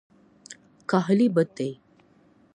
کاهلي بد دی.